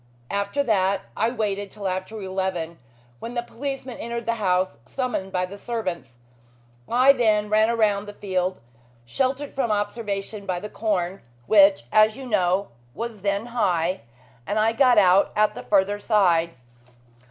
After that I waited till after eleven, when the policeman entered the house, summoned by the servants. I then ran round the field, sheltered from observation by the corn, which, as you know, was then high, and I got out at the further side.